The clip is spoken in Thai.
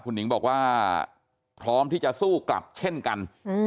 หนิงบอกว่าพร้อมที่จะสู้กลับเช่นกัน